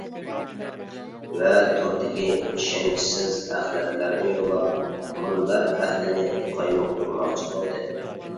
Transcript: ۋە توردىكى ئىشەنچىسىز ئەخلەتلەرنى يوللاپ مۇنبەر ئەھلىنى قايمۇقتۇرماقچى بولدى.